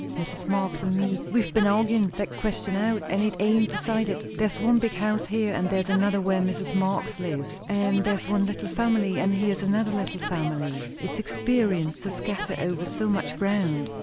"Mrs. Marx and me, we've ben arguin' that question out, and it ain't decided. There's one big house here, and there's another where Mrs. Marx lives; and there's one little family, and here's another little family. It's expensive to scatter over so much ground.